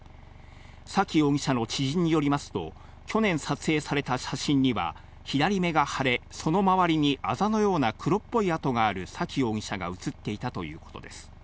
沙喜容疑者の知人によりますと、去年撮影された写真には左目が腫れ、その周りにあざのような黒っぽい痕がある沙喜容疑者が写っていたということです。